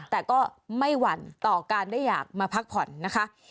แต่ก็ไม่หวั่นต่อการได้อยากมาพักผ่อนนะคะ